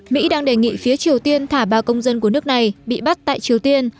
mỹ đang đề nghị phía triều tiên thả ba công dân của nước này bị bắt tại triều tiên